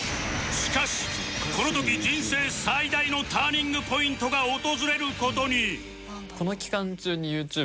しかしこの時人生最大のターニングポイントが訪れる事に